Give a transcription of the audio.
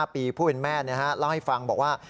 ปีผู้เป็นแม่เล่าให้ฟังบอกว่า